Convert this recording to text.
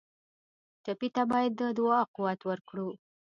ټپي ته باید د دعا قوت ورکړو.